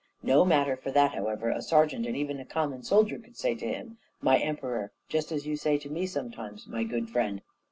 No matter for that, however; a sergeant, and even a common soldier, could say to him, 'my Emperor,' just as you say to me sometimes, 'my good friend.'